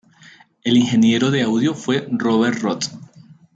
El ingeniero de audio fue Robert Root.